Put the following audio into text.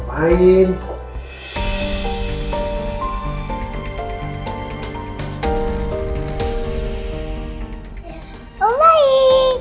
sampai jumpa di video selanjutnya